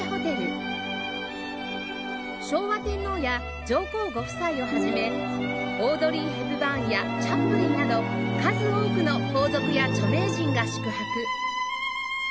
昭和天皇や上皇ご夫妻をはじめオードリー・ヘプバーンやチャップリンなど数多くの皇族や著名人が宿泊